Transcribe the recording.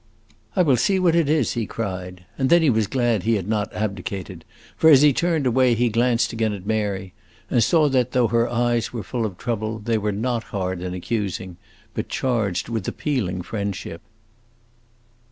"I will see what it is!" he cried. And then he was glad he had not abdicated, for as he turned away he glanced again at Mary and saw that, though her eyes were full of trouble, they were not hard and accusing, but charged with appealing friendship.